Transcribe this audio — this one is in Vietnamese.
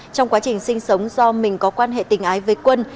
trong quá trình sinh sống do mình có quan hệ tình ái với quân